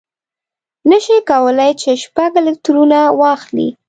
نه شي کولای چې شپږ الکترونه واخلي.